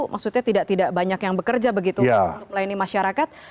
maksudnya tidak banyak yang bekerja begitu untuk melayani masyarakat